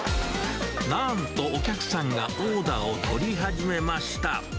なんとお客さんがオーダーを取り始めました。